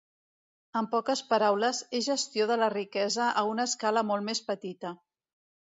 En poques paraules, és gestió de la riquesa a una escala molt més petita.